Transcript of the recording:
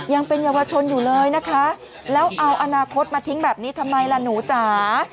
ยังเป็นเยาวชนอยู่เลยนะคะแล้วเอาอนาคตมาทิ้งแบบนี้ทำไมล่ะหนูจ๋า